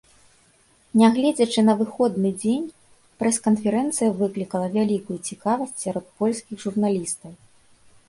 Нягледзячы на выходны дзень, прэс-канферэнцыя выклікала вялікую цікавасць сярод польскіх журналістаў.